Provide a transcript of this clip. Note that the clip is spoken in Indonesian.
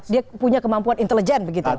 dia punya kemampuan intelijen begitu